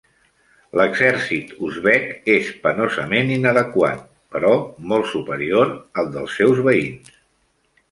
L'exèrcit uzbek és penosament inadequat, però molt superior al dels seus veïns.